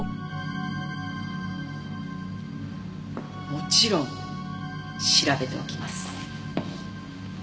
もちろん調べておきます。